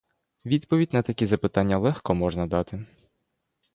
Відповідь на такі запитання легко можна дати.